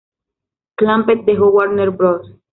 Clampett dejó Warner Bros.